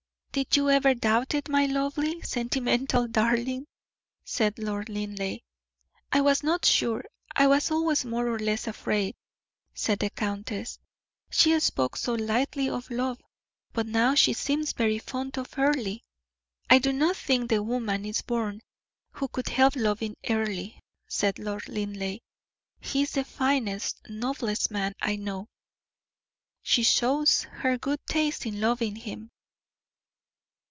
"Did you ever doubt it, my lovely, sentimental darling?" said Lord Linleigh. "I was not sure; I was always more or less afraid," said the countess. "She spoke so lightly of love; but now she seems very fond of Earle." "I do not think the woman is born who could help loving Earle," said Lord Linleigh; "he is the finest, noblest man I know. She shows her good taste in loving him."